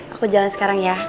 aku jalan sekarang ya